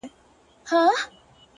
هو په همزولو کي له ټولو څخه پاس يمه؛